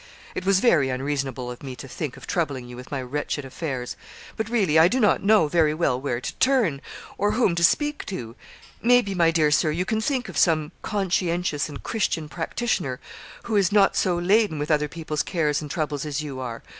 'It was very unreasonable of me to think of troubling you with my wretched affairs; but really I do not know very well where to turn, or whom to speak to. Maybe, my dear Sir, you can think of some conscientious and Christian practitioner who is not so laden with other people's cares and troubles as you are.